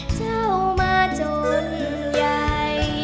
เจ้ามาจนยา